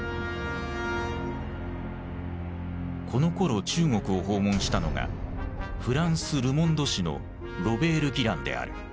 このころ中国を訪問したのがフランス「ル・モンド」紙のロベール・ギランである。